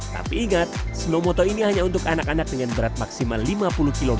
tapi ingat snowmoto ini hanya untuk anak anak dengan berat maksimal lima puluh kg